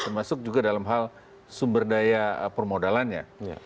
termasuk juga dalam hal sumber daya permodalannya